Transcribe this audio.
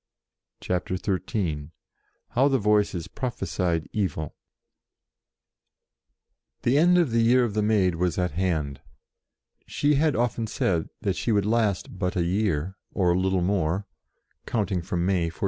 CHAPTER XIII HOW THE VOICES PROPHESIED EVIL THE end of the year of the Maid was at hand. She had often said that she would last but a year, or little more, count ing from May 1429.